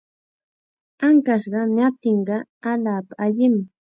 Ankashqa ñatinqa allaapa allim.